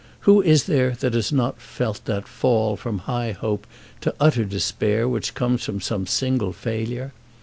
Who is there that has not felt that fall from high hope to utter despair which comes from some single failure?